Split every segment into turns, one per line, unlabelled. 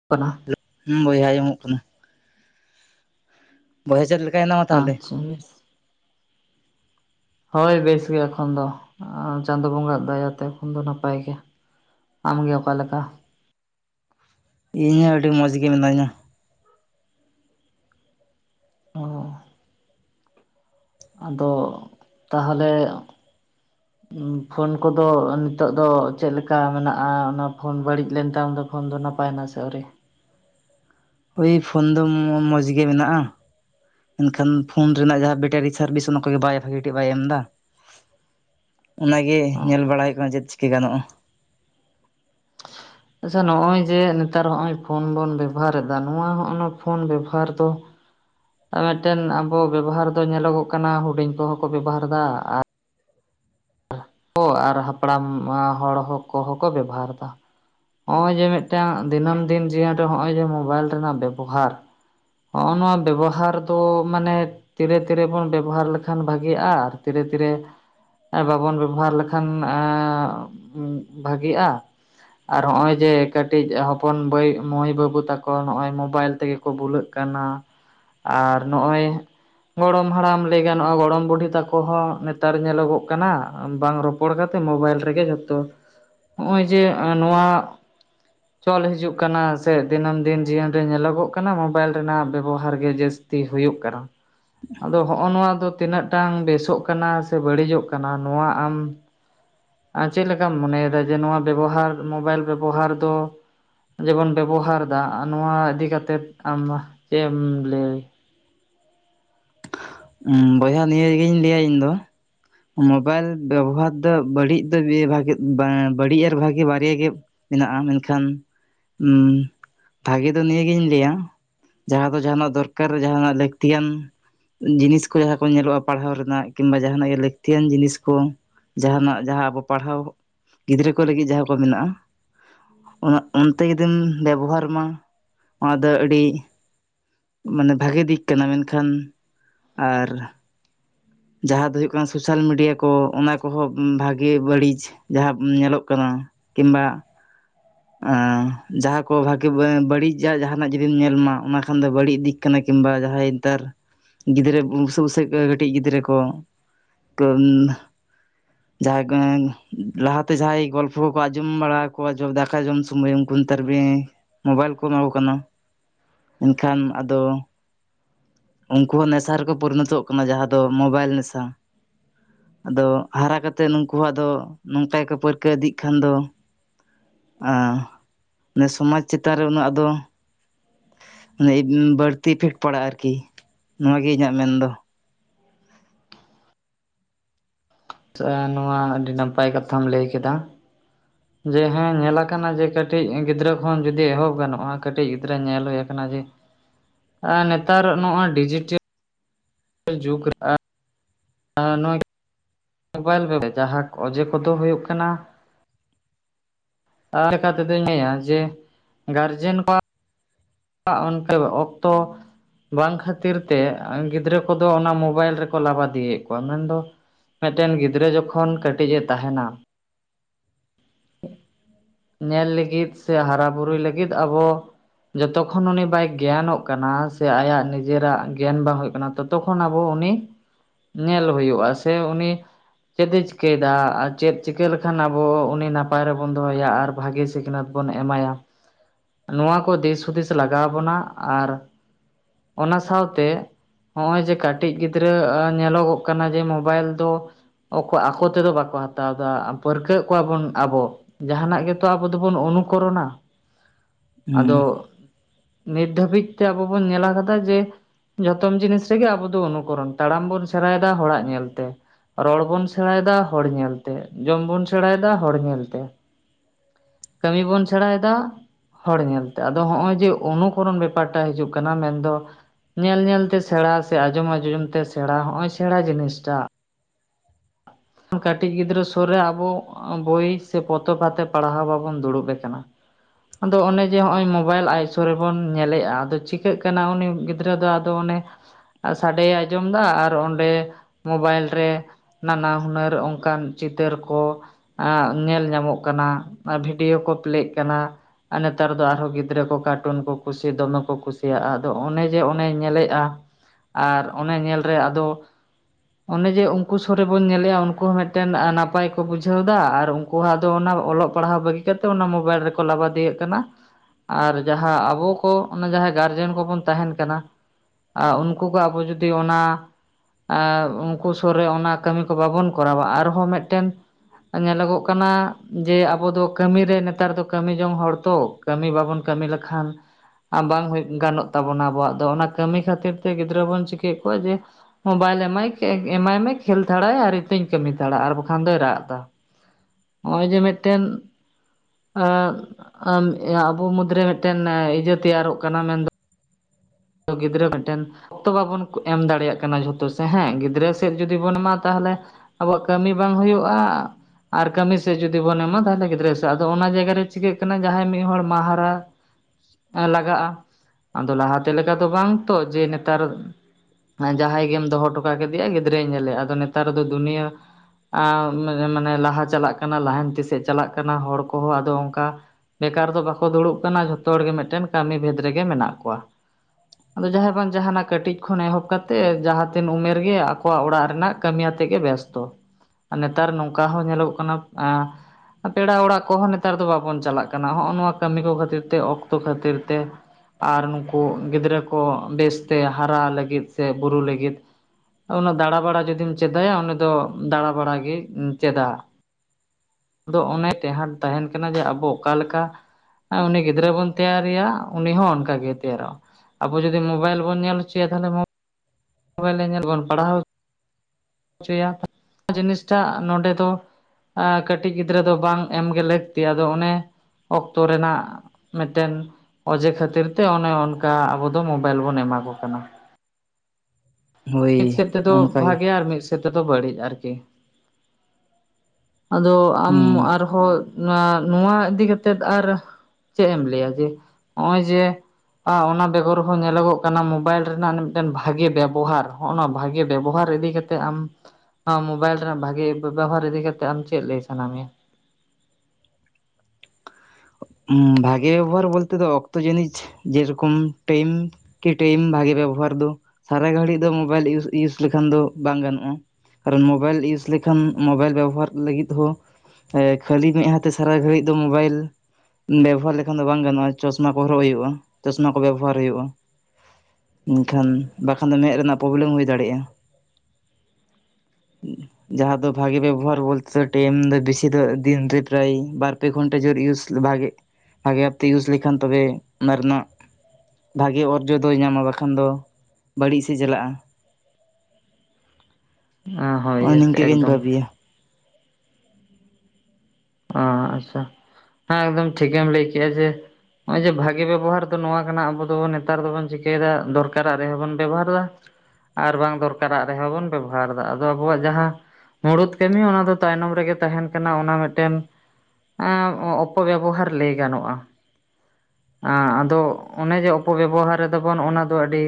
[unintelligible]
ᱦᱩᱸ ᱵᱚᱭᱦᱟ ᱟᱸᱡᱚᱢᱚᱜ ᱠᱟᱱᱟ᱾ ᱵᱚᱭᱦᱟ ᱪᱮᱫ ᱞᱮᱠᱟ ᱦᱮᱱᱟᱢᱟ ᱛᱟᱦᱞᱮ?
[unintelligible] ᱦᱳᱭ ᱵᱮᱥ ᱜᱮ ᱮᱠᱷᱚᱱ ᱫᱚ ᱪᱟᱸᱫᱳ ᱵᱚᱸᱜᱟ ᱟᱜ ᱫᱟᱭᱟ ᱛᱮ ᱮᱠᱷᱚᱱ ᱫᱚ ᱱᱟᱯᱟᱭ ᱜᱮ᱾ ᱟᱢᱜᱮ ᱚᱠᱟ ᱞᱮᱠᱟ?
ᱤᱧ ᱦᱚᱸ ᱟᱹᱰᱤ ᱢᱚᱡᱽ ᱜᱮ ᱢᱮᱱᱟᱹᱧᱼᱟ᱾
ᱚ, ᱟᱫᱚ ᱛᱟᱦᱚᱞᱮ,
[inaudible]
ᱯᱷᱳᱱ ᱠᱚᱫᱚ ᱱᱤᱛᱚᱜ ᱫᱚ ᱪᱮᱫ ᱞᱮᱠᱟ ᱢᱮᱱᱟᱜᱼᱟ? ᱚᱱᱟ ᱯᱷᱳᱱ ᱵᱟᱹᱲᱤᱡ ᱞᱮᱱ ᱛᱟᱢ ᱫᱚ ᱯᱷᱳᱱ ᱫᱚ ᱱᱟᱯᱟᱭᱱᱟ ᱥᱮ ᱟᱹᱣᱨᱤ?
ᱦᱳᱭ ᱯᱷᱳᱱ ᱫᱚ ᱢᱚ ᱢᱚᱡᱽ ᱜᱮ ᱢᱮᱱᱟᱜᱼᱟ᱾ ᱮᱱᱠᱷᱟᱱ ᱯᱷᱳᱱ ᱨᱮᱱᱟᱜ ᱡᱟᱦᱟᱸ ᱵᱮᱴᱟᱨᱤ ᱥᱟᱨᱵᱷᱤᱥ ᱚᱱᱟ ᱠᱚᱜᱮ ᱵᱟᱭ ᱵᱷᱟᱹᱜᱤ ᱴᱷᱤᱡ ᱵᱟᱭ ᱮᱢ ᱮᱫᱟ᱾ ᱚᱱᱟᱜᱮ
ᱚ
ᱧᱮᱞ ᱵᱟᱲᱟᱭ ᱦᱳᱭᱳᱜ ᱠᱟᱱᱟ ᱪᱮᱫ ᱪᱤᱠᱟᱹ ᱜᱟᱱᱚᱜᱼᱟ᱾
ᱟᱪᱪᱷᱟ ᱱᱚᱜᱼᱚᱭ ᱡᱮ ᱱᱮᱛᱟᱨ ᱦᱚᱸᱜᱼᱚᱭ ᱯᱷᱳᱱ ᱵᱚᱱ ᱵᱮᱵᱷᱟᱨ ᱮᱫᱟ ᱱᱚᱣᱟ ᱦᱚᱸ ᱚᱱᱟ ᱯᱷᱳᱱ ᱵᱮᱵᱷᱟᱨ ᱫᱚ ᱟᱨ ᱢᱤᱫᱴᱮᱱ ᱟᱵᱚ ᱵᱮᱵᱷᱟᱨ ᱫᱚ ᱧᱮᱞᱚᱜᱚᱜ ᱠᱟᱱᱟ ᱦᱩᱰᱤᱧ ᱠᱚᱦᱚᱸ ᱠᱚ ᱵᱮᱵᱷᱟᱨᱫᱟ, ᱠᱚ ᱟᱨ ᱦᱟᱯᱲᱟᱢ ᱦᱚᱲ ᱠᱚᱦᱚᱸ ᱠᱚ ᱵᱮᱵᱷᱟᱨ ᱮᱫᱟ᱾ ᱦᱚᱜᱼᱚᱭ ᱡᱮ ᱢᱮᱫᱴᱟᱝ ᱫᱤᱱᱟᱹᱢ ᱫᱤᱱ ᱡᱤᱭᱚᱱ ᱨᱮ ᱦᱚᱜᱼᱚᱭ ᱡᱮ ᱢᱳᱵᱟᱭᱤᱞ ᱨᱮᱱᱟᱜ ᱵᱮᱵᱚᱦᱟᱨ, ᱦᱚᱜᱼᱚ ᱱᱚᱣᱟ ᱵᱮᱵᱚᱦᱟᱨ ᱫᱚ ᱢᱟᱱᱮ ᱛᱤᱨᱮ ᱛᱤᱨᱮ ᱵᱚᱱ ᱵᱮᱵᱚᱦᱟᱨ ᱞᱮᱠᱷᱟᱱ ᱵᱷᱟᱜᱮᱜᱼᱟ, ᱟᱨ ᱛᱤᱨᱮ ᱛᱤᱨᱮ ᱵᱟᱵᱚᱱ ᱵᱮᱵᱚ ᱦᱟᱨ ᱞᱮᱠᱷᱟᱱ ᱮᱻ ᱵᱷᱟᱜᱮᱜᱼᱟ᱾ ᱟᱨ ᱦᱚᱸᱜᱼᱚᱭ ᱡᱮ ᱠᱟᱹᱴᱤᱡ ᱦᱚᱯᱚᱱ ᱵᱟᱹᱭ ᱢᱟᱹᱭ ᱵᱟᱹᱵᱩ ᱛᱟᱠᱚ ᱱᱚᱜᱚᱭ ᱢᱳᱵᱟᱭᱮᱞ ᱛᱮᱜᱮ ᱠᱚ ᱵᱩᱞᱟᱹᱜ ᱠᱟᱱᱟ ᱟᱨ ᱱᱚᱜᱼᱚᱭ ᱜᱚᱲᱚᱢ ᱦᱟᱲᱟᱢ ᱞᱟᱹᱭ ᱜᱟᱱᱚᱜᱼᱟ ᱜᱚᱲᱚᱢ ᱵᱩᱰᱷᱤ ᱛᱟᱠᱚ ᱦᱚᱸ ᱱᱮᱛᱟᱨ ᱧᱮᱞᱚᱜᱚᱜ ᱠᱟᱱᱟ ᱵᱟᱝ ᱨᱚᱯᱚᱲ ᱠᱟᱛᱮ ᱢᱳᱵᱟᱭᱤᱞ ᱨᱮᱜᱮ ᱡᱚᱛᱚ, ᱱᱚᱜᱼᱚᱭ ᱡᱮ ᱱᱚᱣᱟ
[inaudible]
ᱪᱚᱞ ᱦᱤᱡᱩᱜ ᱠᱟᱱᱟ ᱥᱮ ᱫᱤᱱᱟᱹᱢ ᱫᱤᱱ ᱡᱤᱭᱚᱱ ᱨᱮ ᱧᱮᱞᱚᱜᱚᱜ ᱠᱟᱱᱟ ᱢᱳᱵᱟᱭᱤᱞ ᱨᱮᱱᱟᱜ ᱵᱮᱵᱚᱦᱟᱨ ᱜᱮ ᱡᱟᱹᱥ ᱛᱤ ᱦᱳᱭᱳᱜ ᱠᱟᱱᱟ᱾ ᱟᱫᱚ ᱦᱚᱜᱼᱚ ᱱᱚᱣᱟ ᱫᱚ ᱛᱤᱱᱟᱹᱜ ᱴᱟᱝ ᱵᱮᱥᱚᱜ ᱠᱟᱱᱟ ᱥᱮ ᱵᱟᱹᱲᱤᱡᱚᱜ ᱠᱟᱱᱟ? ᱱᱚᱣᱟ ᱟᱢ ᱟᱨ ᱪᱮᱫ ᱞᱮᱠᱟᱢ ᱢᱚᱱᱮᱭᱮᱫᱟ ᱡᱮ ᱱᱚᱣᱟ ᱵᱮᱵᱚᱦᱟᱨ ᱢᱳᱵᱟᱭᱤᱞ ᱵᱮᱵᱚᱦᱟᱨ ᱫᱚ ᱡᱮᱵᱚᱱ ᱵᱮᱵᱚᱦᱟᱨ ᱮᱫᱟ ᱱᱚᱣᱟ ᱤᱫᱤ ᱠᱟᱛᱮᱫ ᱟᱢ ᱪᱮᱫ ᱮᱢ ᱞᱟᱹᱭ?
ᱵᱚᱭᱦᱟ ᱱᱤᱭᱟᱹᱜᱤᱧ ᱞᱟᱹᱭᱟ ᱤᱧ ᱫᱚ, ᱢᱳᱵᱟᱭᱤᱞ ᱵᱮᱵᱚᱦᱟᱨ ᱫᱚ ᱵᱟᱹᱲᱤᱡ ᱫᱚ ᱡᱮ ᱵᱷᱟᱜᱮ ᱵᱟᱹᱲᱤᱡ ᱟᱨ ᱵᱷᱟᱜᱮ ᱵᱟᱨᱭᱟ ᱜᱮ ᱢᱮᱱᱟᱜᱼᱟ ᱢᱮᱱᱠᱷᱟᱱ ᱵᱷᱟᱹᱜᱮ ᱫᱚ ᱱᱤᱭᱟᱹᱜᱤᱧ ᱞᱟᱹᱭᱟ, ᱡᱟᱦᱟᱸ ᱫᱚ ᱡᱟᱦᱟᱸᱱᱟᱜ ᱫᱚᱨᱠᱟᱨ ᱡᱟᱦᱟᱱᱟᱜ ᱞᱟᱹᱠᱛᱤᱭᱟᱱ ᱡᱤᱱᱤᱥ ᱠᱚ ᱡᱟᱦᱟᱸ ᱠᱚ ᱧᱮᱞᱚᱜᱼᱟ ᱯᱟᱲᱦᱟᱣ ᱨᱮᱱᱟᱜ ᱠᱤᱢᱵᱟ ᱡᱟᱦᱟᱱᱟᱜ ᱜᱮ ᱞᱟᱹᱠᱛᱤᱭᱟᱱ ᱡᱤᱱᱤᱥ ᱠᱚ ᱡᱟᱸᱦᱟᱱᱟᱜ ᱡᱟᱦᱟᱸ ᱟᱵᱚ ᱯᱟᱲᱦᱟᱣ ᱜᱤᱫᱽᱨᱟᱹ ᱠᱚ ᱞᱟᱹᱜᱤᱫ ᱡᱟᱦᱟᱸᱠᱚ ᱢᱮᱱᱟᱜᱼᱟ ᱚᱱᱟᱜ ᱚᱱᱛᱮ ᱡᱩᱫᱤᱢ ᱵᱮᱵᱷᱦᱟᱨ ᱢᱟ ᱚᱱᱟᱫᱚ ᱟᱹᱰᱤ ᱢᱟᱱᱮ ᱵᱷᱟᱜᱮ ᱫᱤᱠ ᱠᱟᱱᱟ ᱢᱮᱱᱠᱷᱟᱱ ᱟᱨ ᱡᱟᱦᱟᱸ ᱫᱚ ᱦᱩᱭᱩᱜ ᱠᱟᱱᱟ ᱥᱳᱥᱟᱞ ᱢᱤᱰᱤᱭᱟ ᱠᱚ ᱚᱱᱟ ᱠᱚᱦᱚᱸ ᱵᱷᱟᱜᱮ ᱵᱟᱹᱲᱤᱡ ᱡᱟᱦᱟᱸ ᱧᱮᱞᱚᱜ ᱠᱟᱱᱟ ᱠᱤᱢᱵᱟ ᱟᱹᱻ ᱡᱟᱦᱟᱸ ᱠᱚ ᱵᱷᱟᱜᱤ ᱵᱟᱹᱲᱤᱡᱟᱜ ᱡᱟᱦᱟᱱᱟᱜ ᱡᱩᱫᱤᱢ ᱧᱮᱞᱢᱟ ᱚᱱᱟ ᱠᱷᱟᱱ ᱫᱚ ᱵᱟᱹᱲᱤᱡ ᱫᱤᱠ ᱠᱟᱱᱟ ᱠᱤᱢᱵᱟ ᱡᱟᱦᱟᱸᱭ ᱱᱮᱛᱟᱨ ᱜᱤᱫᱽᱨᱟᱹ ᱵᱩᱥᱟᱹᱜ ᱠᱚ ᱠᱟᱹᱴᱤᱡ ᱜᱤᱫᱽᱨᱟᱹ ᱠᱚ ᱛᱳᱱ ᱡᱟᱦᱟᱸᱭ ᱠᱚᱭᱮᱱ ᱞᱟᱦᱟᱛᱮ ᱡᱟᱦᱟᱸᱭ ᱜᱚᱞᱯᱚ ᱠᱚᱠᱚ ᱟᱸᱡᱚᱢ ᱵᱟᱲᱟ ᱠᱚᱣᱟ ᱡᱚᱠᱫᱟᱠ ᱫᱟᱠᱟ ᱡᱚᱢ ᱥᱩᱢᱚᱭ ᱩᱱᱠᱩ ᱱᱮᱛᱟᱨ ᱢᱟ ᱢᱳᱵᱟᱭᱤᱞ ᱠᱚ ᱮᱢᱟ ᱠᱚ ᱠᱟᱱᱟ ᱮᱱᱠᱷᱟᱱ ᱟᱫᱚ ᱩᱱᱠᱩ ᱦᱚᱸ ᱱᱮᱥᱟ ᱨᱮᱠᱚ ᱯᱚᱨᱤᱱᱚᱛᱚᱜ ᱠᱟᱱᱟ ᱡᱟᱦᱟᱸ ᱫᱚ ᱢᱳᱵᱟᱭᱤᱞ ᱱᱮᱥᱟ ᱟᱫᱚ ᱦᱟᱨᱟ ᱠᱟᱛᱮᱜ ᱱᱩᱠᱩᱣᱟᱜ ᱫᱚ ᱱᱚᱝᱠᱟ ᱜᱮᱠᱚ ᱯᱟᱹᱨᱠᱟᱹᱣ ᱤᱫᱤᱜ ᱠᱷᱟᱱ ᱫᱚ ᱟ ᱥᱚᱢᱟᱡᱽ ᱪᱮᱛᱟᱱ ᱨᱮ ᱩᱱᱟᱹᱜ ᱟᱫᱚ ᱦᱟᱱᱮ ᱤᱯ ᱵᱟᱹᱲᱛᱤ ᱤᱯᱷᱮᱠᱴ ᱯᱟᱲᱟᱜᱼᱟ ᱟᱨᱠᱤ ᱱᱚᱣᱟ ᱜᱮ ᱤᱧᱟᱹᱜ ᱢᱮᱱ ᱫᱚ
ᱱᱚᱣᱟ ᱟᱹᱰᱤ ᱱᱟᱯᱟᱭ ᱠᱟᱛᱷᱟᱢ ᱞᱟᱹᱭ ᱠᱮᱫᱟ
[inaudible]
ᱡᱮ ᱦᱮᱸ ᱧᱮᱞ ᱟᱠᱟᱱᱟ ᱡᱮ ᱠᱟᱹᱴᱤᱡ ᱜᱤᱫᱽᱨᱟᱹ ᱠᱷᱚᱱ ᱡᱩᱫᱤ ᱮᱦᱚᱵ ᱜᱟᱱᱚᱜᱼᱟ ᱠᱟᱴᱤᱡ ᱜᱤᱫᱽᱨᱟᱹ ᱧᱮᱞ ᱦᱩᱭ ᱟᱠᱟᱱᱟ ᱡᱮ ᱟ ᱱᱮᱛᱟᱨ ᱱᱚᱜ ᱰᱤᱡᱤᱴᱮᱞ ᱡᱩᱜ ᱨᱮ ᱟ ᱻ ᱜ ᱟᱻ ᱱᱚᱣᱟ ᱜᱮ ᱢᱳᱵᱟᱭᱤᱞ [unintelligible] ᱡᱟᱦᱟᱸ ᱚᱡᱮ ᱠᱚᱫᱚ ᱦᱩᱭᱩᱜ ᱠᱟᱱᱟ ᱟᱨ ᱠᱟᱛᱮᱫᱳᱧ ᱞᱟᱹᱭᱟ ᱡᱮ ᱜᱟᱨᱡᱮᱱ ᱠᱚᱼᱼ ᱣᱟᱜ ᱚᱱᱠᱟ ᱚᱠᱛᱚ ᱵᱟᱝ ᱠᱷᱟᱹᱛᱤᱨ ᱛᱮ ᱜᱤᱫᱽᱨᱟᱹ ᱠᱚᱫᱚ ᱚᱱᱟ ᱢᱳᱵᱟᱭᱤᱞ ᱨᱮᱠᱚ ᱞᱟᱵᱟ ᱤᱫᱤᱭᱮᱫ ᱠᱚᱣᱟ ᱢᱮᱱᱫᱚ ᱢᱤᱫᱴᱮᱱ ᱜᱤᱫᱽᱨᱟᱹ ᱡᱚᱠᱷᱚᱱ ᱠᱟᱹᱴᱤᱡ ᱮ ᱛᱟᱦᱮᱱᱟ
[inaudible]
ᱧᱮᱞ ᱞᱟᱹᱜᱤᱫ ᱥᱮ ᱦᱟᱨᱟ ᱵᱩᱨᱩᱭ ᱞᱟᱹᱜᱤᱫ ᱟᱵᱚ ᱡᱚᱛᱚᱠᱷᱚᱱ ᱩᱱᱤ ᱵᱟᱭ ᱜᱮᱭᱟᱱᱚᱜ ᱠᱟᱱᱟ ᱥᱮ ᱟᱭᱟᱜ ᱱᱤᱡᱮᱨᱟᱜ ᱜᱮᱭᱟᱱ ᱵᱟᱝ ᱦᱩᱭᱩᱜ ᱠᱟᱱᱟ ᱛᱚᱛᱚᱠᱷᱚᱱ ᱟᱵᱚ ᱩᱱᱤ ᱱᱮᱞ ᱦᱩᱭᱩᱜᱼᱟ ᱥᱮ ᱩᱱᱤ ᱪᱮᱫ ᱮ ᱪᱤᱠᱟᱹᱭᱮᱫᱟ ᱟᱨ ᱪᱮᱫ ᱪᱤᱠᱟᱹ ᱞᱮᱠᱷᱟᱱ ᱟᱵᱚ ᱩᱱᱤ ᱱᱟᱯᱟᱭ ᱨᱮᱵᱚᱱ ᱫᱚᱦᱚᱭᱟ ᱟᱨ ᱵᱷᱟᱜᱤ ᱥᱤᱠᱷᱱᱟᱛ ᱵᱚᱱ ᱮᱢᱟᱭᱟ ᱱᱚᱣᱟ ᱠᱚ ᱫᱤᱥ ᱦᱩᱫᱤᱥ ᱞᱟᱜᱟᱣᱵᱚᱱᱟ ᱟᱨ ᱚᱱᱟ ᱥᱟᱶᱛᱮ ᱱᱚᱜᱼᱚᱭ ᱡᱮ ᱠᱟᱹᱴᱤᱡ ᱜᱤᱫᱽᱨᱟᱹ ᱧᱮᱞᱚᱜᱚᱜ ᱠᱟᱱᱟ ᱡᱮ ᱢᱳᱵᱟᱭᱤᱞ ᱫᱚ ᱚᱠᱚ ᱟᱠᱚ ᱛᱮᱫᱚ ᱵᱟᱠᱚ ᱦᱟᱛᱟᱣ ᱫᱟ ᱯᱟᱹᱨᱠᱟᱹᱜ ᱮᱫ ᱠᱚᱣᱟ ᱵᱚᱱ ᱟᱵᱚ ᱡᱟᱦᱟᱱᱟᱜ ᱜᱮᱛᱚ ᱟᱵᱚ ᱫᱚᱵᱚᱱ ᱚᱱᱩᱠᱚᱨᱚᱱᱟ
[inaudible]
ᱟᱫᱚ ᱱᱤᱛ ᱫᱷᱟᱹᱵᱤᱡ ᱛᱮ ᱟᱵᱚ ᱵᱚᱱ ᱧᱮᱞ ᱟᱠᱟᱫᱟ ᱡᱮ ᱡᱚᱛᱚᱢ ᱡᱤᱱᱤᱥ ᱨᱮᱜᱮ ᱟᱵᱚ ᱫᱚ ᱚᱱᱩᱠᱚᱨᱚᱱ ᱛᱟᱲᱟᱢ ᱵᱚᱱ ᱥᱮᱲᱟᱭᱮᱫᱟ ᱦᱚᱲᱟᱜ ᱧᱮᱞᱛᱮ ᱨᱚᱲ ᱵᱚᱱ ᱥᱮᱬᱟᱭᱮᱫᱟ ᱦᱚᱲ ᱧᱮᱞ ᱛᱮ ᱡᱚᱢ ᱵᱚᱱ ᱥᱮᱬᱟᱭᱮᱫᱟ ᱦᱚᱲ ᱧᱮᱞ ᱛᱮ ᱠᱟᱹᱢᱤ ᱵᱚᱱ ᱥᱮᱬᱟᱭᱮᱫᱟ ᱦᱚᱲ ᱧᱮᱞᱛᱮ ᱟᱫᱚ ᱟᱫᱚ ᱱᱚᱜᱼᱚᱭ ᱡᱮ ᱚᱱᱩᱠᱚᱨᱚᱱ ᱵᱮᱯᱟᱨ ᱴᱟ ᱦᱤᱡᱩᱜ ᱠᱟᱱᱟ ᱢᱮᱱᱫᱚ ᱧᱮᱞ ᱧᱮᱞ ᱛᱮ ᱥᱮᱬᱟ ᱥᱮ ᱟᱸᱡᱚᱢ ᱟᱸᱡᱚᱢ ᱛᱮ ᱥᱮᱬᱟ ᱚᱭ ᱥᱮᱬᱟ ᱡᱤᱱᱤᱥᱴᱟ [inaudible] ᱠᱟᱹᱴᱤᱡ ᱜᱤᱫᱽᱨᱟᱹ ᱥᱩᱨ ᱨᱮ ᱟᱵᱚ ᱵᱳᱭ ᱥᱮ ᱯᱚᱛᱚᱵ ᱟᱛᱮ ᱯᱟᱲᱦᱟᱣ ᱵᱟᱵᱚᱱ ᱫᱩᱲᱩᱵ ᱮ ᱠᱟᱱᱟ᱾ ᱟᱫᱚ ᱚᱱᱮ ᱡᱮ ᱦᱚᱸᱜᱚᱭ ᱢᱳᱵᱟᱭᱤᱞ ᱟᱡ ᱥᱳᱨ ᱨᱮᱵᱚᱱ ᱧᱮᱞ ᱮᱫ-ᱟ ᱟᱫᱚ ᱪᱤᱠᱟᱹᱜ ᱠᱟᱱᱟ ᱩᱱᱤ ᱜᱤᱫᱽᱨᱟᱹ ᱫᱚ ᱟᱫᱚ ᱚᱱᱮ ᱥᱟᱸᱰᱮ ᱟᱸᱡᱚᱢ ᱫᱟ ᱟᱨ ᱚᱸᱰᱮ ᱢᱳᱵᱟᱭᱤᱞ ᱨᱮ ᱱᱟᱱᱟ-ᱦᱩᱱᱟᱹᱨ ᱚᱱᱠᱟᱱ ᱪᱤᱛᱟᱹᱨ ᱠᱚ ᱟ ᱧᱮᱞ ᱧᱟᱢᱚᱜ ᱠᱟᱱᱟ ᱵᱷᱤᱰᱭᱳ ᱠᱚ ᱯᱞᱮᱜ ᱠᱟᱱᱟ ᱟᱨ ᱱᱮᱛᱟᱨ ᱫᱚ ᱟᱨᱦᱚᱸ ᱜᱤᱫ ᱜᱤᱫᱽᱨᱟᱹ ᱠᱚ ᱠᱟᱴᱩᱱ ᱠᱚ ᱠᱩᱥᱤ ᱫᱚᱢᱮ ᱠᱚ ᱠᱩᱥᱤᱭᱟᱜ-ᱟ ᱟᱫᱚ ᱚᱱᱮ ᱡᱮ ᱚᱱᱮ ᱧᱮᱞᱮᱜ-ᱟ ᱟᱨ ᱚᱱᱮ ᱧᱮᱞ ᱨᱮ ᱟᱫᱚ ᱚᱱᱮ ᱡᱮ ᱩᱱᱠᱩ ᱥᱩᱨ ᱨᱮᱵᱚᱱ ᱧᱮᱞᱮᱜ-ᱟ ᱩᱱᱠᱩ ᱦᱚᱸ ᱢᱮᱫ ᱴᱮᱱ ᱱᱟᱯᱟᱭ ᱠᱚ ᱵᱩᱡᱷᱟᱹᱣ ᱫᱟ ᱟᱨ ᱠᱚ ᱟᱫᱚ ᱚᱱᱟ ᱚᱞᱚᱜ ᱯᱟᱲᱦᱟᱣ ᱵᱟᱹᱜᱤ ᱠᱟᱛᱮᱫ ᱚᱱᱟ ᱢᱳᱵᱟᱭᱤᱞ ᱨᱮᱠᱚ ᱞᱟᱵᱟᱫᱤᱭᱳᱜ ᱠᱟᱱᱟ᱾ ᱟᱨ ᱡᱟᱦᱟᱸ ᱟᱵᱚ ᱠᱚ ᱚᱱᱟ ᱡᱟᱦᱟᱸᱭ ᱜᱟᱨᱡᱮᱱ ᱠᱚᱵᱚᱱ ᱛᱟᱦᱮᱱ ᱠᱟᱱᱟ᱾ ᱟ ᱩᱱᱠᱩ ᱠᱚ ᱟᱵᱚ ᱡᱩᱫᱤ ᱚᱱᱟ ᱟ ᱩᱱᱠᱩ ᱥᱩᱨ ᱨᱮ ᱚᱱᱟ ᱠᱟᱹᱢᱤ ᱠᱚ ᱵᱟᱵᱚᱱ ᱠᱚᱨᱟᱣᱟ ᱟᱨᱦᱚᱸ ᱢᱮᱫᱴᱮᱱ ᱧᱮᱞᱚᱜᱚᱜ ᱠᱟᱱᱟ ᱡᱮ ᱟᱵᱚ ᱫᱚ ᱠᱟᱹᱢᱤᱨᱮ ᱱᱮᱛᱟᱨ ᱫᱚ ᱠᱟᱹᱢᱤ ᱡᱚᱝ ᱦᱚᱲ ᱛᱚ ᱠᱟᱹᱢᱤ ᱵᱟᱵᱚᱱ ᱠᱟᱹᱢᱤ ᱞᱮᱠᱷᱟᱱ ᱟᱨ ᱵᱟᱝ ᱦᱩᱭ ᱜᱟᱱᱚᱜ ᱛᱟᱵᱚᱱᱟ ᱟᱵᱚᱣᱟᱜ ᱫᱚ ᱚᱱᱟ ᱠᱟᱹᱢᱤ ᱠᱷᱟᱹᱛᱤᱨ ᱛᱮ ᱜᱤᱫᱽᱨᱟᱹ ᱵᱚᱱ ᱪᱤᱠᱟᱹᱭᱮᱫ ᱠᱚᱣᱟ ᱡᱮ ᱢᱳᱵᱟᱭᱤᱞ ᱮᱢᱟᱭ ᱮᱢᱟᱭ ᱢᱮ ᱠᱷᱮᱞ ᱛᱷᱟᱨᱟᱭ ᱟᱨ ᱤᱧ ᱫᱩᱧ ᱠᱟᱹᱢᱤ ᱛᱷᱟᱨᱟᱜ-ᱟ ᱟᱨ ᱵᱟᱝᱠᱷᱟᱱ ᱫᱚᱭ ᱨᱟᱜ ᱫᱟ ᱱᱚᱜ-ᱚᱭ ᱡᱮ ᱢᱮᱫᱴᱮᱱ [unintelligible] ᱟᱵᱚ ᱨᱮ ᱢᱤᱫᱴᱮᱱ ᱤᱭᱟᱹ ᱛᱮᱭᱟᱨᱚᱜ ᱠᱟᱱᱟ ᱢᱮᱱ ᱫᱚ ᱜᱤᱫᱽᱨᱟᱹ ᱢᱮᱫᱴᱮᱱ ᱚᱠᱛᱚ ᱵᱟᱵᱚᱱ ᱮᱢ ᱫᱟᱲᱮᱭᱟᱜ ᱠᱟᱱᱟ ᱡᱷᱚᱛᱚ ᱥᱮ ᱦᱮᱸ ᱜᱤᱫᱽᱨᱟᱹ ᱥᱮᱫ ᱡᱩᱫᱤ ᱵᱚᱱ ᱮᱢᱟ ᱛᱟᱦᱚᱞᱮ ᱟᱵᱚᱣᱟᱜ ᱠᱟᱹᱢᱤ ᱵᱟᱝ ᱦᱩᱭᱩᱜ-ᱟ᱾ ᱟᱨ ᱠᱟᱹᱢᱤ ᱥᱮᱫ ᱡᱩᱫᱤ ᱵᱚᱱ ᱮᱢᱟ ᱛᱟᱦᱚᱞᱮ ᱜᱤᱫᱽᱨᱟᱹ ᱥᱮᱫ ᱟᱫᱚ ᱚᱱᱟ ᱡᱟᱭᱜᱟ ᱨᱮ ᱪᱤᱠᱟᱹᱜ ᱠᱟᱱᱟ ᱡᱟᱦᱟᱸᱭ ᱢᱤᱫ ᱦᱚᱲ ᱢᱟᱦᱟᱨᱟ ᱞᱟᱜ-ᱟ ᱟᱫᱚ ᱞᱟᱦᱟᱛᱮ ᱞᱮᱠᱟ ᱫᱚ ᱵᱟᱝ ᱛᱚ ᱡᱮ ᱱᱮᱛᱟᱨ ᱡᱟᱦᱟᱸᱭ ᱜᱮᱢ ᱫᱚᱦᱚ ᱦᱚᱴᱚ ᱠᱮᱫᱮᱭᱟ ᱜᱤᱫᱽᱨᱟᱹᱭ ᱧᱮᱞᱮᱭᱟ ᱟᱫᱚ ᱱᱮᱛᱟᱨ ᱫᱚ ᱫᱩᱱᱤᱭᱟᱹ ᱟ ᱢᱟᱱᱮ ᱞᱟᱦᱟ ᱪᱟᱞᱟᱜ ᱠᱟᱱᱟ ᱞᱟᱦᱟᱱᱛᱤ ᱥᱮᱫ ᱪᱟᱞᱟᱜ ᱠᱟᱱᱟ ᱦᱚᱲ ᱠᱚᱦᱚᱸ ᱟᱫᱚ ᱚᱱᱠᱟ ᱵᱮᱠᱟᱨ ᱫᱚ ᱵᱟᱠᱚ ᱫᱩᱲᱩᱵ ᱠᱟᱱᱟ ᱡᱷᱚᱛᱚ ᱦᱚᱲ ᱜᱮ ᱢᱤᱫᱴᱮᱱ ᱠᱟᱹᱢᱤ ᱵᱷᱮᱫ ᱨᱮᱜᱮ ᱢᱮᱱᱟᱜ ᱠᱚᱣᱟ᱾ ᱟᱫᱚ ᱡᱟᱦᱟᱸᱭ ᱵᱟᱝ ᱡᱟᱦᱟᱱᱟᱜ ᱠᱟᱹᱴᱤᱡ ᱠᱷᱚᱱ ᱮᱦᱚᱵ ᱠᱟᱛᱮᱫ ᱡᱟᱦᱟᱸ ᱛᱤᱱ ᱩᱢᱮᱨ ᱜᱮ ᱟᱠᱚᱣᱟᱜ ᱚᱲᱟᱜ ᱨᱮᱱᱟᱜ ᱠᱟᱹᱢᱤ ᱟᱛᱮᱫ ᱜᱮ ᱵᱮᱥ ᱛᱚ ᱱᱮᱛᱟᱨ ᱱᱚᱝᱠᱟ ᱦᱚᱸ ᱧᱮᱞᱚᱜ ᱠᱟᱱᱟ ᱟ ᱯᱮᱲᱟ ᱚᱲᱟᱜ ᱠᱚᱦᱚᱸ ᱱᱮᱛᱟᱨ ᱫᱚ ᱵᱟᱵᱚᱱ ᱪᱟᱞᱟᱜ ᱠᱟᱱᱟ ᱦᱚᱸᱜ-ᱱᱚᱣᱟ ᱠᱟᱹᱢᱤ ᱠᱚ ᱠᱷᱟᱹᱛᱤᱨ ᱛᱮ ᱚᱠᱛᱚ ᱠᱷᱟᱹᱛᱤᱨ ᱛᱮ ᱟᱨ ᱱᱩᱠᱩ ᱜᱤᱫᱽᱨᱟᱹ ᱠᱚ ᱵᱮᱥᱛᱮ ᱦᱟᱨᱟ ᱞᱟᱹᱜᱤᱫ ᱥᱮ ᱵᱩᱨᱩ ᱞᱟᱹᱜᱤᱫ ᱚᱱᱟ ᱫᱟᱬᱟᱵᱟᱲᱟ ᱡᱩᱫᱤᱢ ᱪᱮᱫ ᱟᱭᱟ ᱩᱱᱤ ᱫᱚ ᱫᱟᱬᱟᱵᱟᱲᱟ ᱜᱤ ᱪᱮᱫ-ᱟ᱾ ᱫᱚ ᱚᱱᱮ ᱴᱮᱦᱟᱸᱱ ᱛᱟᱦᱮᱱ ᱠᱟᱱᱟ ᱡᱮ ᱟᱵᱚ ᱚᱠᱟ ᱞᱮᱠᱟ ᱩᱱᱤ ᱜᱤᱫᱽᱨᱟᱹ ᱵᱚᱱ ᱛᱮᱭᱟᱨ ᱮᱭᱟ ᱩᱱᱤ ᱦᱚᱸ ᱚᱱᱠᱟᱜᱮ ᱛᱮᱭᱟᱨᱚᱜ-ᱟ᱾ ᱟᱵᱚ ᱡᱚᱫᱤ ᱢᱳᱵᱟᱭᱤᱞ ᱵᱚᱱ ᱧᱮᱞ ᱦᱚᱪᱮ ᱛᱟᱦᱚᱞᱮ ᱢᱳᱵᱟᱭᱤᱞ ᱯᱟᱲᱦᱟᱣ ᱦᱚᱪᱚᱭᱟ ᱚᱱᱟ ᱡᱤᱱᱤᱥᱴᱟᱜ ᱱᱚᱰᱮ ᱫᱚ ᱠᱟᱹᱴᱤᱡ ᱜᱤᱫᱽᱨᱟᱹ ᱫᱚ ᱵᱟᱝ ᱮᱢ-ᱜᱮ ᱞᱟᱹᱠᱛᱤᱭᱟ ᱟᱫᱚ ᱚᱱᱮ ᱚᱠᱛᱚ ᱨᱮᱱᱟᱜ ᱢᱮᱫᱴᱮᱱ ᱚᱡᱮᱸ ᱠᱷᱟᱹᱛᱤᱨ ᱛᱮ ᱚᱱᱮ ᱚᱱᱠᱟ ᱟᱵᱚ ᱫᱚ ᱢᱳᱵᱟᱭᱤᱞ ᱵᱚᱱ ᱮᱢᱟ ᱠᱚ ᱠᱟᱱᱟ᱾
ᱦᱳᱭ
ᱢᱤᱫ ᱥᱮᱫ ᱛᱮᱫᱚ
ᱚᱱᱠᱟᱜᱮ
ᱵᱷᱟᱜᱮᱭᱟ ᱟᱨ ᱢᱤᱫ ᱥᱮ ᱛᱮᱫᱚ ᱵᱟᱹᱲᱤᱡ ᱟᱨᱠᱤ [unintelligible] ᱟᱫᱚ ᱟᱢ
ᱦᱮᱸ
ᱟᱨ ᱱᱚᱣᱟ ᱱᱚᱣᱟ ᱤᱫᱤ ᱠᱟᱛᱮᱫ ᱟᱨ ᱪᱮᱫ ᱮᱢ ᱞᱟᱹᱭᱟ ᱡᱮ ᱱᱚᱭ ᱡᱮ ᱟ ᱚᱱᱟ ᱵᱮᱜᱚᱨ ᱦᱚᱸ ᱧᱮᱞᱚᱜᱚᱜ ᱠᱟᱱᱟ ᱢᱳᱵᱟᱭᱤᱞ ᱨᱮᱱᱟᱜ ᱢᱤᱫᱴᱮᱱ ᱵᱷᱟᱸᱜᱮ ᱵᱮᱵᱚᱦᱟᱨ ᱦᱚᱸᱜᱱᱟ-ᱱᱚᱣᱟ ᱵᱷᱟᱸᱜᱮ ᱵᱮᱵᱚᱦᱟᱨ ᱤᱫᱤ ᱠᱟᱛᱮᱫ ᱟᱢ ᱟᱢ ᱢᱳᱵᱟᱭᱤᱞ ᱨᱮᱱᱟᱜ ᱵᱷᱟᱸᱜᱤ ᱵᱮᱵᱚᱦᱟᱨ ᱤᱫᱤ ᱠᱟᱛᱮᱫ ᱟᱢ ᱪᱮᱫ ᱞᱟᱹᱭ ᱥᱟᱱᱟ ᱢᱮᱭᱟ᱾
ᱦᱩ ᱵᱷᱟᱸᱜᱮ ᱵᱮᱵᱚᱦᱟᱨ ᱵᱳᱞ ᱛᱮᱫᱚ ᱚᱠᱛᱚ ᱡᱤᱱᱤᱥᱼᱼ ᱡᱮ ᱨᱚᱠᱚᱢ ᱴᱟᱭᱤᱢ ᱠᱤ ᱴᱟᱭᱤᱢ ᱵᱷᱟᱸᱜᱮ ᱵᱮᱵᱚᱦᱟᱨ ᱫᱚ᱾ ᱥᱟᱨᱟ ᱜᱷᱟᱹᱲᱤᱡ ᱫᱚ ᱢᱳᱵᱟᱭᱤᱞ ᱤᱭᱩᱥ ᱤᱭᱩᱥ ᱞᱮᱠᱷᱟᱱ ᱫᱚ ᱵᱟᱝ ᱜᱟᱱᱚᱜᱼᱟ᱾ ᱠᱟᱨᱚᱱ ᱢᱳᱵᱟᱭᱤᱞ ᱤᱭᱩᱥ ᱞᱮᱠᱷᱟᱱ ᱢᱳᱵᱟᱭᱤᱞ ᱵᱮᱵᱚᱦᱟᱨ ᱞᱟᱹᱜᱤᱫ ᱦᱚᱸᱼᱼ ᱠᱷᱟᱹᱞᱤ ᱢᱮᱫ ᱦᱟᱛᱮ ᱥᱟᱨᱟ ᱜᱷᱟᱹᱲᱤᱡ ᱫᱚ ᱢᱳᱵᱟᱭᱤᱞᱼᱼ ᱵᱮᱵᱚᱦᱟᱨ ᱞᱮᱠᱷᱟᱱ ᱫᱚ ᱵᱟᱝ ᱜᱟᱱᱚᱜᱼᱟ ᱪᱚᱥᱢᱟ ᱠᱚ ᱦᱚᱨᱚᱜ ᱦᱩᱭᱩᱜᱼᱟ ᱪᱚᱥᱢᱟ ᱠᱚ ᱵᱮᱵᱚᱦᱟᱨ ᱦᱩᱭᱩᱜᱼᱟ᱾ ᱢᱮᱱᱠᱷᱟᱱ ᱵᱟ ᱠᱷᱟᱱ ᱫᱟ ᱢᱮᱫ ᱨᱮᱱᱟᱜ ᱯᱨᱚᱵᱮᱞᱮᱢ ᱦᱩᱭ ᱫᱟᱲᱮᱭᱟᱜᱼᱟ᱾ [inaudible] ᱡᱟᱦᱟᱸ ᱫᱚ ᱵᱷᱟᱜᱤ ᱵᱮᱵᱚᱦᱟᱨ ᱵᱚᱞᱛᱮ ᱴᱟᱭᱤᱢ ᱫᱚ ᱵᱮᱥᱤ ᱫᱚ ᱫᱤᱱᱛᱮ ᱯᱨᱟᱭ ᱵᱟᱨ ᱯᱮ ᱜᱷᱚᱱᱴᱟ ᱡᱳᱨ ᱤᱭᱩᱡᱽᱼᱼ ᱵᱷᱟᱜᱮ ᱵᱷᱟᱜᱮ ᱵᱷᱟᱯᱛᱮ ᱤᱭᱩᱡᱽ ᱞᱮᱠᱷᱟᱱ ᱛᱚᱵᱮ ᱚᱱᱟ ᱨᱮᱱᱟᱜᱼᱼ ᱵᱷᱟᱜᱮ ᱚᱨᱡᱚ ᱫᱚᱭ ᱧᱟᱢᱟ ᱵᱟᱠᱷᱟᱱ ᱫᱚ ᱵᱟᱹᱲᱤᱡ ᱥᱮᱫ ᱪᱟᱞᱟᱜᱼᱟ᱾
ᱚ ᱦᱳᱭ
ᱱᱚᱜᱼᱚᱭ ᱱᱤᱝᱠᱟᱹ ᱜᱤᱧ
ᱮᱠᱫᱚᱢ
ᱵᱷᱟᱹᱵᱤᱭᱟ
ᱚ ᱟᱪᱪᱷᱟ ᱦᱮᱸ ᱮᱠᱫᱚᱢ ᱴᱷᱤᱠᱮᱢ ᱞᱟᱹᱭ ᱠᱮᱫᱼᱟ ᱡᱮᱼᱼ ᱱᱚᱜᱼᱚᱭ ᱡᱮ ᱵᱷᱟᱜᱮ ᱵᱮᱵᱚᱦᱟᱨ ᱫᱚ ᱱᱚᱣᱟ ᱠᱟᱱᱟ ᱟᱵᱚ ᱫᱚ ᱱᱮᱛᱟᱨ ᱫᱚᱵᱚᱱ ᱪᱤᱠᱟᱹᱭᱮᱫᱟ ᱫᱚᱨᱠᱟᱨᱟᱜ ᱨᱮᱦᱚᱸ ᱵᱚᱱ ᱵᱮᱵᱚᱦᱟᱨ ᱮᱫᱟ, ᱟᱨ ᱵᱟᱝ ᱫᱚᱨᱠᱟᱨᱟᱜ ᱨᱮᱦᱚᱸ ᱵᱚᱱ ᱵᱮᱵᱚᱦᱟᱨᱫᱟ ᱟᱫᱚ ᱟᱵᱚᱣᱟᱜ ᱡᱟᱦᱟᱸᱼᱼ ᱢᱩᱲᱩᱫ ᱠᱟᱹᱢᱤ ᱚᱱᱟ ᱫᱚ ᱛᱟᱭᱱᱚᱢ ᱨᱮᱜᱮ ᱛᱟᱦᱮᱱ ᱠᱟᱱᱟ ᱚᱱᱟ ᱢᱤᱫᱼᱼ ᱴᱮᱱ ᱚᱯᱚ ᱵᱮᱵᱚᱦᱟᱨ ᱞᱟᱹᱭ ᱜᱟᱱᱚᱜᱼᱟ᱾ ᱟᱫᱚ ᱚᱱᱮ ᱡᱮ ᱚᱯᱚ ᱵᱮᱵᱚᱦᱟᱨᱮ ᱫᱟᱵᱚᱱ ᱚᱱᱟ ᱫᱚ ᱟᱹᱰᱤᱼᱼ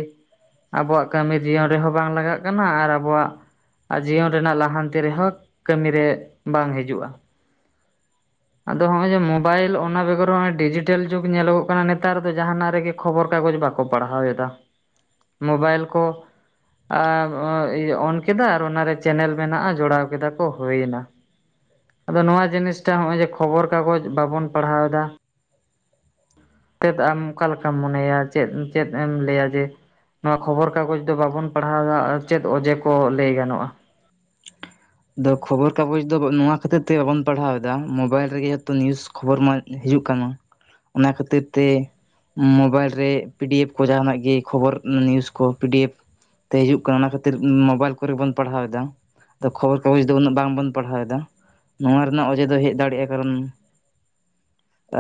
ᱟᱵᱚᱣᱟᱜ ᱠᱟᱹᱢᱤ ᱡᱤᱭᱚᱱ ᱨᱮᱦᱚᱸ ᱵᱟᱝ ᱞᱟᱜᱟᱜ ᱠᱟᱱᱟ ᱟᱨ ᱟᱵᱚᱣᱟᱜᱼᱼ ᱟᱨ ᱡᱤᱭᱚᱱ ᱨᱮᱱᱟᱜ ᱞᱟᱦᱟᱱᱛᱤ ᱨᱮᱦᱚᱸ ᱠᱟᱹᱢᱤᱨᱮ ᱵᱟᱝ ᱦᱤᱡᱩᱜᱼᱟ᱾ ᱟᱫᱚ ᱦᱚᱸᱜᱼᱚᱭ ᱡᱮ ᱢᱳᱵᱟᱭᱤᱞ ᱚᱱᱟ ᱵᱮᱜᱚᱨ ᱦᱚᱸᱜᱚᱭ ᱰᱤᱡᱤᱴᱮᱞ ᱡᱩᱜᱽ ᱧᱮᱞᱚᱜᱚᱜ ᱠᱟᱱᱟ ᱱᱮᱛᱟᱨ ᱫᱚ ᱡᱟᱦᱟᱱᱟᱜ ᱨᱮᱜᱮᱼᱼ ᱠᱷᱚᱵᱚᱨ ᱠᱟᱜᱚᱡᱽ ᱵᱟᱠᱚ ᱯᱟᱲᱦᱟᱣ ᱮᱫᱟ ᱢᱳᱵᱟᱭᱤᱞ ᱠᱚᱼᱼ ᱟᱨ ᱚᱱ ᱠᱮᱫᱟ ᱟᱨ ᱚᱱᱟᱨᱮ ᱪᱮᱱᱮᱞ ᱢᱮᱱᱟᱜᱼᱟ ᱡᱚᱲᱟᱣ ᱠᱮᱫᱟ ᱠᱚ ᱦᱩᱭᱮᱱᱟ᱾
[inaudible]
ᱟᱫᱚ ᱱᱚᱣᱟ ᱡᱤᱱᱤᱥᱴᱟ ᱦᱚᱸᱜᱼᱚᱭ ᱡᱮ ᱠᱷᱚᱵᱚᱨ ᱠᱟᱜᱚᱡ ᱵᱟᱵᱚᱱ ᱯᱟᱲᱦᱟᱣ ᱮᱫᱟ᱾ ᱪᱮᱫ ᱟᱢ ᱚᱠᱟ ᱞᱮᱠᱟᱢ ᱢᱚᱱᱮᱭᱟ ᱪᱮ ᱪᱮᱫ ᱮᱢ ᱞᱟᱹᱭᱟ ᱡᱮ? ᱱᱚᱣᱟ ᱠᱷᱚᱵᱚᱨ ᱠᱟᱜᱚᱡᱽ ᱫᱚ ᱵᱟᱵᱚᱱ ᱯᱟᱲᱦᱟᱣᱫᱟ ᱟᱨ ᱪᱮᱫ ᱚᱡᱮ ᱠᱚ ᱞᱟᱹᱭ ᱜᱟᱱᱚᱜᱼᱟ᱾
ᱫᱚ ᱠᱷᱚᱵᱚᱨ ᱠᱟᱜᱚᱡ ᱫᱚ ᱱᱚᱣᱟ ᱠᱷᱟᱹᱛᱤᱨ ᱛᱮ ᱵᱟᱵᱚᱱ ᱯᱟᱲᱦᱟᱣ ᱮᱫᱟ ᱢᱳᱵᱟᱭᱤᱞ ᱨᱮᱜᱮ ᱡᱷᱚᱛᱚ ᱱᱤᱭᱩᱡᱼᱼ ᱠᱷᱚᱵᱚᱨ ᱢᱟ ᱦᱤᱡᱩᱜ ᱠᱟᱱᱟ ᱚᱱᱟ ᱠᱷᱟᱹᱛᱤᱨ ᱛᱮᱼᱼ ᱢᱳᱵᱟᱭᱤᱞ ᱨᱮ ᱯᱤ ᱰᱤ ᱮᱯᱷ ᱠᱚ ᱡᱟᱦᱟᱱᱟᱜ ᱜᱮ ᱠᱷᱚᱵᱚᱨ ᱱᱤᱭᱩᱡᱽ ᱠᱚ ᱯᱤ ᱰᱤ ᱮᱯᱷᱼᱼ ᱛᱮ ᱦᱤᱡᱩᱜ ᱠᱟᱱᱟ ᱚᱱᱟ ᱠᱷᱟᱹᱛᱤᱨ ᱢᱳᱵᱟᱭᱤᱞ ᱠᱚᱨᱮ ᱵᱚᱱ ᱯᱟᱲᱦᱟᱣ ᱮᱫᱟ᱾ ᱟᱫᱚ ᱠᱷᱚᱵᱚᱨ ᱠᱟᱜᱚᱡᱽ ᱫᱚ ᱩᱱᱟᱹᱜ ᱵᱟᱝ ᱵᱚᱱ ᱯᱟᱲᱦᱟᱣ ᱮᱫᱟ ᱱᱚᱣᱟ ᱨᱮᱱᱟᱜ ᱚᱡᱮ ᱫᱚ ᱦᱮᱡ ᱫᱟᱲᱮᱭᱟᱜᱼᱟ ᱠᱟᱨᱚᱱᱼᱼ ᱮᱻ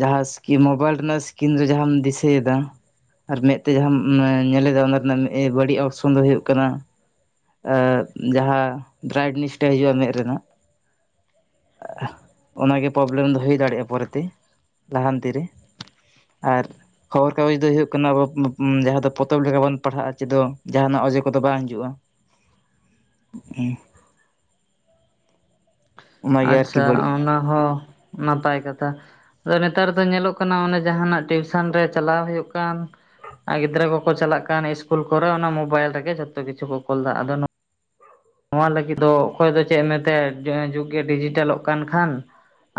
ᱡᱟᱦᱟᱸ ᱤᱥᱠᱤ ᱢᱳᱵᱟᱭᱤᱞ ᱨᱮᱭᱟᱜ ᱥᱠᱤᱱ ᱨᱮ ᱡᱟᱦᱟᱢ ᱫᱤᱥᱟᱹᱭᱮ ᱫᱟ ᱟᱨ ᱢᱮᱫ ᱛᱮ ᱡᱟᱦᱟᱢ ᱧᱮᱞᱮᱫᱟ ᱚᱱᱟ ᱨᱮᱱᱟᱜ ᱵᱟᱹᱲᱤᱡ ᱚᱨᱥᱚᱱ ᱫᱚ ᱦᱳᱭᱳᱜ ᱠᱟᱱᱟ᱾ ᱡᱟᱦᱟᱸ ᱰᱨᱟᱭᱜᱱᱤᱥᱴ ᱦᱤᱡᱩᱜᱼᱟ ᱢᱮᱫ ᱨᱮᱱᱟᱜ, ᱚᱱᱟᱜᱮ ᱯᱨᱚᱵᱞᱮᱢ ᱫᱚ ᱦᱩᱭ ᱫᱟᱲᱮᱭᱟᱜᱼᱟ ᱯᱚᱨᱮᱛᱮ ᱞᱟᱦᱟᱱᱛᱤ ᱨᱮᱼᱼ ᱟᱨ ᱠᱷᱚᱵᱚᱨ ᱠᱟᱜᱚᱡᱽ ᱫᱚ ᱦᱩᱭᱩᱜ ᱠᱟᱱᱟ ᱟᱵᱚ ᱡᱟᱦᱟᱸ ᱫᱚ ᱯᱚᱛᱚᱵ ᱞᱮᱠᱟ ᱵᱚᱱ ᱯᱟᱲᱦᱟᱜᱼᱟ ᱪᱮᱫ ᱡᱟᱦᱟᱱᱟᱜ ᱚᱡᱮ ᱠᱚᱫᱚ ᱵᱟᱝ ᱦᱤᱡᱩᱜᱼᱟ᱾ ᱦᱮᱸ ᱚᱱᱟᱜᱮ ᱟᱨᱠᱤ
ᱟᱪᱪᱷᱟ
ᱵᱟᱹᱲᱤᱡ
ᱚᱱᱟ ᱦᱚᱸ ᱱᱟᱯᱟᱭ ᱠᱟᱛᱷᱟ ᱟᱫᱚ ᱱᱮᱛᱟᱨ ᱫᱚ ᱧᱮᱞᱚᱜ ᱠᱟᱱᱟ ᱚᱱᱮ ᱡᱟᱦᱟᱱᱟᱜ ᱴᱤᱭᱩᱥᱚᱱ ᱨᱮ ᱪᱟᱞᱟᱣ ᱦᱩᱭᱩᱜ ᱠᱟᱱ ᱟᱨ ᱜᱤᱫᱽᱨᱟᱹ ᱠᱚᱠᱚ ᱪᱟᱞᱟᱜ ᱠᱟᱱ ᱤᱥᱠᱩᱞ ᱠᱚᱨᱮ ᱚᱱᱟ ᱢᱳᱵᱟᱭᱤᱞ ᱨᱮᱜᱮ ᱡᱷᱚᱛᱚ ᱠᱤᱪᱷᱩ ᱠᱚ ᱠᱳᱞ ᱮᱫᱟ ᱟᱫᱚᱼᱼ ᱱᱚᱣᱟ ᱞᱟᱹᱜᱤᱫ ᱫᱚ ᱚᱠᱚᱭ ᱫᱚ ᱪᱮᱫ ᱮ ᱮᱢ ᱢᱮᱛᱟᱭᱟ ᱡᱩᱜᱽ ᱜᱮ ᱰᱤᱡᱤᱴᱮᱞᱚᱜ ᱠᱟᱱ ᱠᱷᱟᱱᱼᱼ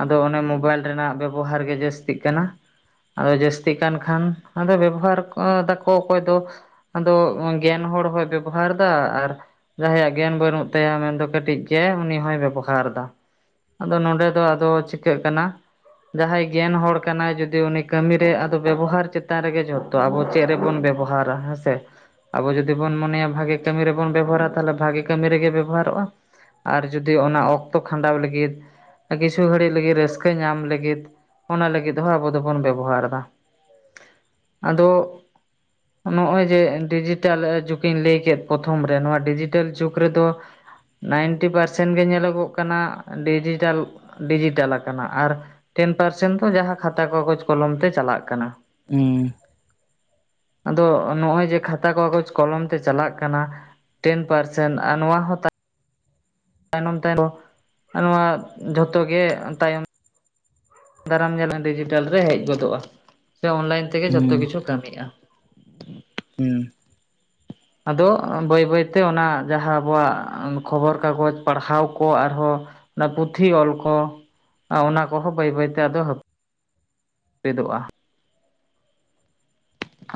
ᱟᱫᱚ ᱚᱱᱮ ᱢᱳᱵᱟᱭᱤᱞ ᱨᱮᱱᱟᱜ ᱵᱮᱵᱚᱦᱟᱨ ᱜᱮ ᱡᱟᱹᱥᱛᱤᱜ ᱠᱟᱱᱟ᱾ ᱟᱫᱚ ᱡᱟᱹᱥᱛᱤ ᱠᱟᱱ ᱠᱷᱟᱱ ᱟᱫᱚ ᱵᱮᱵᱚᱦᱟᱨ ᱫᱟᱠᱚ ᱚᱠᱚᱭ ᱫᱚᱼᱼ ᱟᱫᱚ ᱜᱮᱭᱟᱱ ᱦᱚᱲ ᱦᱚᱭ ᱵᱮᱵᱚᱦᱟᱨ ᱮᱫᱟ ᱟᱨ ᱡᱟᱦᱟᱸᱭᱟᱜ ᱜᱮᱭᱟᱱ ᱵᱟᱹᱱᱩᱜ ᱛᱟᱭᱟ ᱢᱮᱱ ᱫᱚ ᱠᱟᱹᱴᱤᱡ ᱜᱮᱭᱟᱭ ᱩᱱᱤ ᱦᱚᱭ ᱵᱮᱵᱚᱦᱟᱨ ᱮᱫᱟ ᱟᱫᱚ ᱱᱚᱰᱮ ᱫᱚ ᱟᱫᱚ ᱪᱤᱠᱟᱹᱜ ᱠᱟᱱᱟ ᱡᱟᱦᱟᱸᱭ ᱜᱮᱭᱟᱱ ᱦᱚᱲ ᱠᱟᱱᱟᱭ ᱡᱩᱫᱤ ᱩᱱᱤ ᱠᱟᱹᱢᱤ ᱨᱮ ᱟᱫᱚ ᱵᱮᱵᱚᱦᱟᱨ ᱪᱮᱛᱟᱱ ᱨᱮᱜᱮ ᱡᱚᱼᱼ ᱛᱚ ᱟᱵᱚ ᱪᱮᱫ ᱨᱮᱵᱚᱱ ᱵᱮᱵᱚᱦᱟᱨᱟ ᱦᱮᱸ ᱥᱮ ᱟᱵᱚ ᱡᱩᱫᱤ ᱵᱚᱱ ᱢᱚᱱᱮᱭᱟ ᱵᱷᱟᱜᱤ ᱠᱟᱹᱢᱤ ᱨᱮᱵᱚᱱ ᱵᱮᱵᱚᱦᱟᱨᱟ ᱛᱟᱦᱚᱞᱮ ᱵᱷᱟᱜᱤ ᱠᱟᱹᱢᱤ ᱨᱮᱜᱮ ᱵᱮᱵᱚᱦᱟᱨᱚᱜᱼᱟ ᱟᱨ ᱡᱚᱫᱤ ᱚᱱᱟ ᱚᱠᱛᱚ ᱠᱷᱟᱸᱰᱟᱣ ᱞᱟᱹᱜᱤᱫ ᱠᱤᱪᱷᱩ ᱜᱷᱟᱹᱲᱤᱡ ᱞᱟᱹᱜᱤᱫ ᱨᱟᱹᱥᱠᱟᱹ ᱧᱟᱢ ᱞᱟᱹᱜᱤᱫᱼᱼ ᱚᱱᱟ ᱞᱟᱹᱜᱤᱫ ᱦᱚᱸ ᱟᱵᱚ ᱫᱚᱵᱚᱱ ᱵᱮᱵᱚᱦᱟᱨ ᱮᱫᱟ ᱟᱫᱚᱼᱼ ᱱᱚᱜ ᱚᱭ ᱡᱮ ᱰᱤᱡᱤᱴᱮᱞ ᱡᱩᱜ ᱤᱧ ᱞᱟᱹᱭᱠᱮᱫ ᱯᱨᱚᱛᱷᱚᱢ ᱨᱮ ᱱᱚᱣᱟ ᱰᱤᱡᱤᱴᱮᱞ ᱡᱩᱜ ᱨᱮᱫᱚᱼᱼ ᱱᱟᱭᱤᱱᱴᱤ ᱯᱟᱨᱥᱮᱱ ᱜᱮ ᱧᱮᱞᱚᱜᱚᱜ ᱠᱟᱱᱟ ᱰᱤᱡᱤᱴᱟᱞ ᱰᱤᱡᱤᱴᱟᱞ ᱟᱠᱟᱱᱟ ᱟᱨ ᱴᱮᱱ ᱯᱟᱨᱥᱮᱱ ᱫᱚ ᱡᱟᱦᱟᱸ ᱠᱷᱟᱛᱟ ᱠᱟᱜᱚᱡᱽ ᱠᱚᱞᱚᱢ ᱛᱮ ᱪᱟᱞᱟᱜ ᱠᱟᱱᱟ
ᱦᱮᱸ
ᱟᱫᱚ ᱱᱚᱜ-ᱚᱭ ᱡᱮ ᱠᱷᱟᱛᱟ ᱠᱟᱜᱚᱡᱽ ᱠᱚᱞᱚᱢ ᱛᱮ ᱪᱟᱞᱟᱜ ᱠᱟᱱᱟ ᱴᱮᱱ ᱯᱟᱨᱥᱮᱱ [unintelligible] ᱟᱨ ᱱᱚᱣᱟ ᱦᱚᱸᱼᱼ ᱛᱟᱭᱱᱚᱢ ᱛᱟᱭᱱᱚᱢ ᱱᱚᱣᱟ ᱡᱷᱚᱛᱚ ᱜᱮ ᱛᱟᱭᱚᱢ ᱫᱟᱨᱟᱢ ᱧᱮᱞᱞᱟᱢ ᱰᱤᱡᱤᱴᱮᱞ ᱨᱮ ᱦᱮᱡ ᱜᱚᱫᱚᱜᱼᱟ ᱥᱮ ᱚᱱᱞᱟᱭᱤᱱ ᱛᱮᱜᱮ ᱡᱚᱛᱚ ᱠᱤᱪᱷᱩ ᱠᱟᱹᱢᱤᱜᱼᱟ
ᱦᱩᱸ
ᱟᱫᱚ ᱵᱟᱹᱭ ᱵᱟᱹᱭ ᱛᱮ ᱚᱱᱟ ᱡᱟᱦᱟᱸ ᱟᱵᱚᱣᱟᱜ ᱠᱷᱚᱵᱚᱨ ᱠᱟᱜᱚᱡᱽ ᱯᱟᱲᱦᱟᱣ ᱠᱚ ᱟᱨ ᱦᱚᱸᱼᱼ ᱚᱱᱟ ᱯᱩᱛᱷᱤ ᱚᱞ ᱠᱚ ᱚᱱᱟ ᱠᱚᱦᱚᱸ ᱵᱟᱹᱭ ᱵᱟᱹᱭ ᱛᱮ ᱟᱫᱚᱼᱼ ᱦᱟᱹᱯᱤᱫᱚᱜᱼᱟ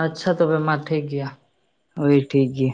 ᱟᱪᱪᱷᱟ ᱛᱚᱵᱮ ᱢᱟ ᱴᱷᱤᱠ ᱜᱮᱭᱟ
ᱦᱳᱭ ᱴᱷᱤᱠ ᱜᱮᱭᱟ